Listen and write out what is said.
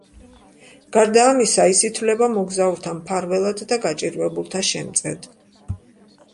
გარდა ამისა, ის ითვლება მოგზაურთა მფარველად და გაჭირვებულთა შემწედ.